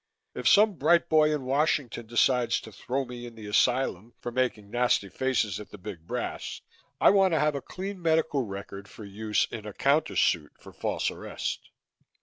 If some bright boy in Washington decides to throw me in the asylum for making nasty faces at the Big Brass, I want to have a clean medical record for use in a counter suit for false arrest."